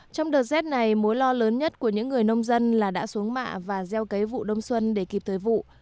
trong đợt rét này mối lo lớn nhất của những người nông dân là đã xuống mạ và gieo cấy vụ đông xuân để kịp thời vụ